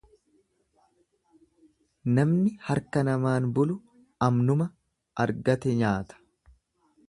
Namni harka namaan bulu amnuma argate nyaata.